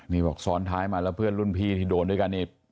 นี่บอกซ้อนท้ายมาแล้วเพื่อนรุ่นพี่ที่โดนด้วยกันอีก